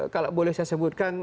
kalau boleh saya sebutkan